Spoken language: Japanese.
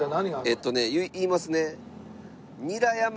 えっとね言いますね。